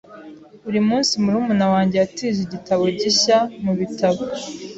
Buri munsi, murumuna wanjye yatije igitabo gishya mubitabo.